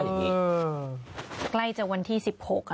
เออกล้ายจากวันที่๑๖อะเนอะ